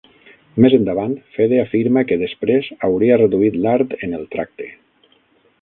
Més endavant, Fede afirma que després hauria reduït l'art en el tracte.